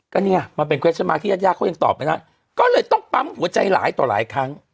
ก็เนี้ยมาเป็นมาถึงก็เลยต้องปั้มหัวใจหลายต่อหลายครั้ง